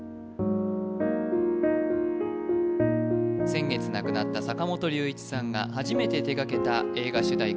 先月亡くなった坂本龍一さんが初めて手がけた映画主題歌